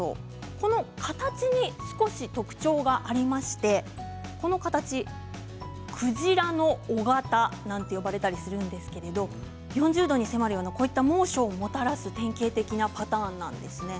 この形に少し特徴がありましてこの形、鯨の尾型と呼ばれたりするんですが４０度に迫るような猛暑をもたらす典型的なパターンなんですね。